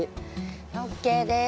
ＯＫです。